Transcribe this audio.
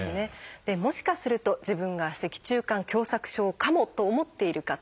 もしかすると自分が脊柱管狭窄症かもと思っている方。